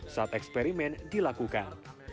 saat eksperimen dilakukan